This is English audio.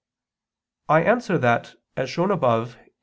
I answer that, As shown above (AA.